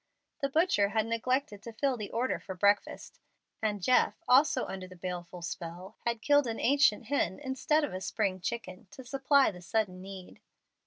The butcher had neglected to fill the order for breakfast, and Jeff, also under the baleful spell, had killed an ancient hen instead of a spring chicken, to supply the sudden need.